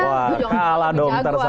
wah kalah dong ntar saya